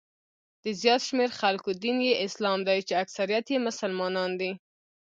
د زیات شمېر خلکو دین یې اسلام دی چې اکثریت یې مسلمانان دي.